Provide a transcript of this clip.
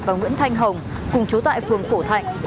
và nguyễn thanh hồng cùng chú tại phường phổ thạnh